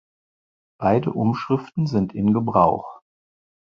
Beide Umschriften sind in Gebrauch.